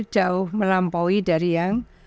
jauh melampaui dari yang